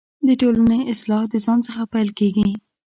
دټولنۍ اصلاح دځان څخه پیل کیږې